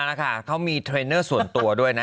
แล้วค่ะเขามีเทรนเนอร์ส่วนตัวด้วยนะ